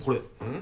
ん？